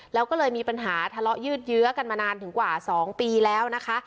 แล้วก็เลยมีปัญหาทะเลาะยืดเยื้อกันมานานถึงกว่า๒ปีแล้วนะคะ